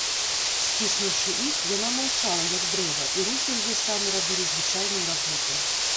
Сціснуўшы іх, яна маўчала, як дрэва, і рукі яе самі рабілі звычайную работу.